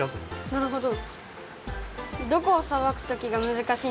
なるほど。